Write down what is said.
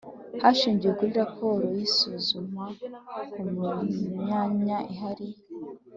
hashingiwe kuri raporo y isuzuma ku myanya ihari